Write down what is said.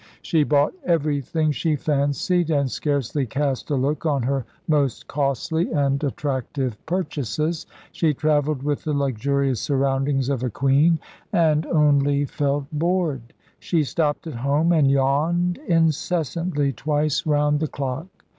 She bought everything she fancied, and scarcely cast a look on her most costly and attractive purchases. She travelled with the luxurious surroundings of a queen, and only felt bored; she stopped at home, and yawned incessantly twice round the clock.